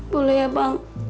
boleh ya bang